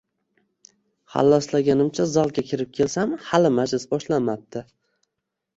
Halloslaganimcha zalga kirib kelsam hali majlis boshlanmabdi